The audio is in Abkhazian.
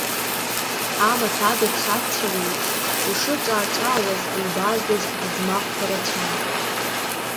Амаҭ адаӷь шацәцәауа еиԥш ушыҿаа-ҿаауаз улбааздоз аӡмахқәа рацәан.